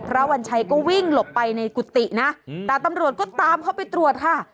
วัญชัยก็วิ่งหลบไปในกุฏินะแต่ตำรวจก็ตามเข้าไปตรวจค่ะ